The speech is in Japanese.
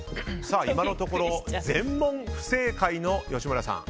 今のところ全問不正解の吉村さん。